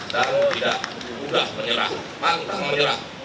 dan tidak mudah menyerah pantas menyerah